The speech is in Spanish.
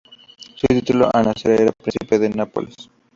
Su título al nacer era de Príncipe de Nápoles.